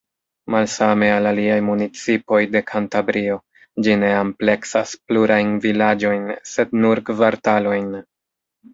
Malsame al aliaj municipoj de Kantabrio, ĝi ne ampleksas plurajn vilaĝojn sed nur kvartalojn.